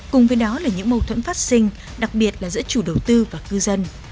cùng với đó là những mâu thuẫn phát sinh đặc biệt là giữa chủ đầu tư và cư dân